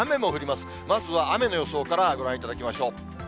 まずは雨の予想からご覧いただきましょう。